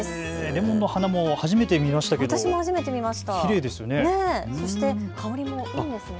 レモンの花も初めて見ましたけどきれいですね。